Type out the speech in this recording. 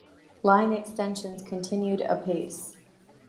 Line extensions continued apace.